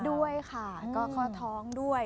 ด้วยค่ะก็ข้อท้องด้วย